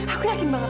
aku yakin banget